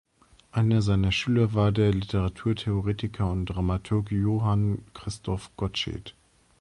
Einer seiner Schüler war der Literaturtheoretiker und Dramaturg Johann Christoph Gottsched.